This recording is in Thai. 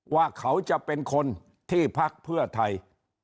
ว่าเขาจะเป็นคนที่พักเพื่อไทย